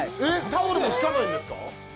タオルも敷かないんですか？